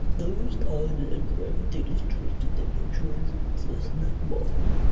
Those targeted at drive-in theaters directed their patrons to the snack bar.